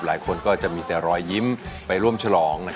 หลายคนก็จะมีแต่รอยยิ้มไปร่วมฉลอง